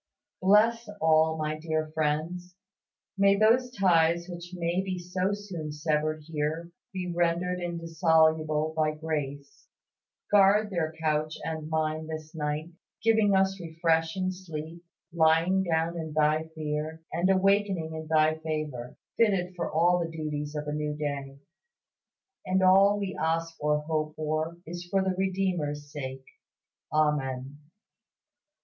Bless all my dear friends; may those ties which may be so soon severed here be rendered indissoluble by grace. Guard their couch and mine this night; give us refreshing sleep, lying down in Thy fear, and awaking in Thy favor, fitted for all the duties of a new day. And all we ask or hope for is for the Redeemer's sake. Amen.